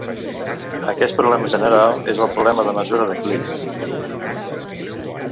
Aquest problema general és el problema de mesura de Klee.